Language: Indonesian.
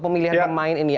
pemilihan pemain ini